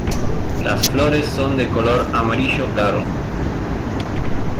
Las flores son de color amarillo claro.